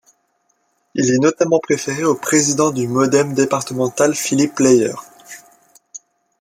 Il est notamment préféré au président du MoDem départemental Philippe Lailler.